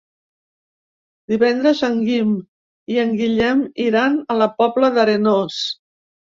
Divendres en Guim i en Guillem iran a la Pobla d'Arenós.